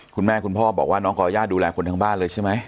คุณพ่อบอกว่าน้องก่อย่าดูแลคนทั้งบ้านเลยใช่ไหม